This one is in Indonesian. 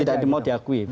tidak mau diakui